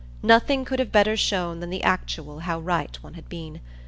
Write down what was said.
Nothing could have better shown than the actual how right one had been.